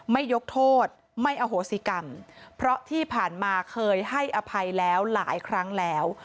ไม่ยกโทษไม่อโหสิกรรมเพราะที่ผ่านมาเคยให้อภัยแล้วหลายครั้งแล้ว